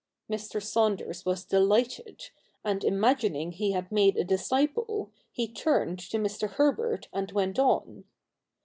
Mr. Saunders was delighted, and, imagining he had made a disciple, he turned to Mr. Herbei and went on.